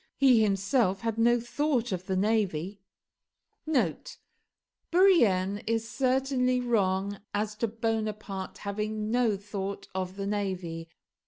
He himself had no thought of the navy. [Bourrienne is certainly wrong as to Bonaparte having no thought of the navy.